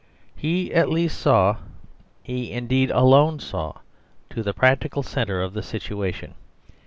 He at least saw, he indeed alone saw, to the practical centre of the situation.